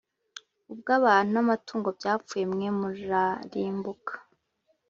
ubw abantu namatungo byapfuye mwe murarimbuka